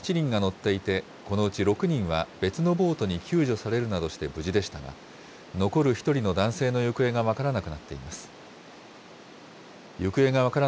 ボートには７人が乗っていて、このうち６人は別のボートに救助されるなどして無事でしたが、残る１人の男性の行方が分からなくなっています。